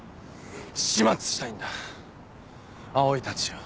始末したいんだ葵たちを。